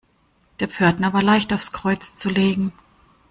Der Pförtner war leicht aufs Kreuz zu legen.